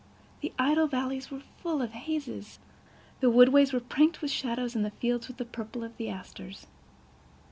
The idle valleys were full of hazes. The woodways were pranked with shadows and the fields with the purple of the asters.